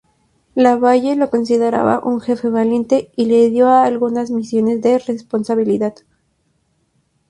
Lavalle lo consideraba un jefe valiente, y le dio algunas misiones de responsabilidad.